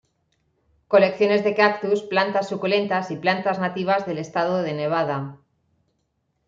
Colecciones de cactus, plantas suculentas y planta nativas del estado de Nevada.